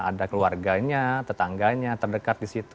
ada keluarganya tetangganya terdekat di situ